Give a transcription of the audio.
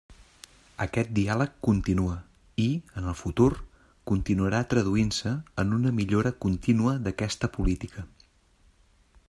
Aquest diàleg continua i, en el futur, continuarà traduint-se en una millora contínua d'aquesta política.